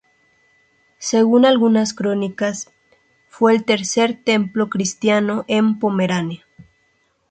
Según algunas crónicas, fue el tercer templo cristiano en Pomerania.